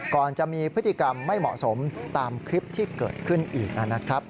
ก่อนจะมีพฤติกรรมไม่เหมาะสมตามคลิปที่เกิดขึ้นอีกนะครับ